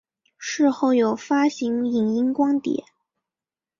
事后有发行影音光碟。